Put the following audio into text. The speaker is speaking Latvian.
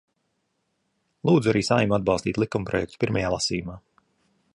Lūdzu arī Saeimu atbalstīt likumprojektu pirmajā lasījumā.